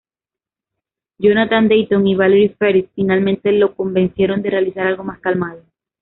Jonathan Dayton y Valerie Faris finalmente lo convencieron de realizar algo más calmado.